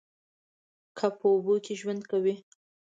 کب په اوبو کې ژوند کوي